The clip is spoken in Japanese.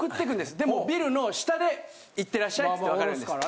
でもビルの下でいってらっしゃいつって別れるんです。